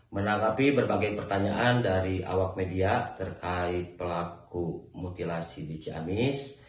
menanggapi berbagai pertanyaan dari awak media terkait pelaku mutilasi di ciamis